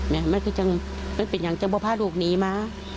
แม่มันก็จังมันเป็นอย่างจังพ่อพ่อลูกหนีมา